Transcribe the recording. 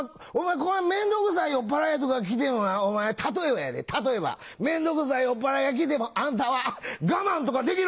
こんな面倒くさい酔っぱらいとか来てもなお前例えばやで例えば面倒くさい酔っぱらいが来てもあんたは我慢とかできる？」。